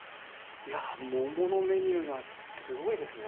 いや桃のメニューがすごいですね。